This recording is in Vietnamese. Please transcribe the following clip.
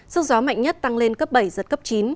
sức gió mạnh nhất tăng lên cấp bảy giật cấp chín